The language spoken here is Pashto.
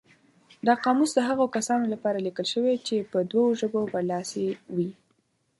دا قاموس د هغو کسانو لپاره لیکل شوی چې په دوو ژبو برلاسي وي.